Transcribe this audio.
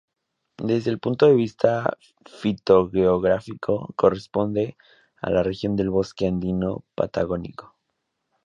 Desde el punto de vista fitogeográfico, corresponde a la región de bosque andino patagónico.